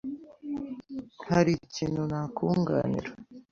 hari ikintu nakunganira